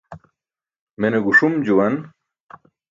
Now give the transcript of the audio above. Mene guṣum juwan.